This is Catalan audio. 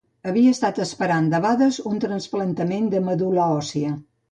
Havia estat esperant debades un trasplantament de medul·la òssia.